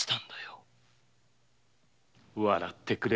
笑ってくれ。